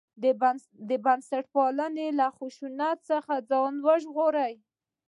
د بنسټپالو له خشونت څخه ځان وژغوري.